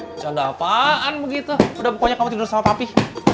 bercanda apaan begitu udah pokoknya kamu tidur sama papi